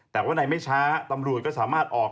แต่เวื่อนไหร่ไม่ช้าตำรวจก็สามารถออก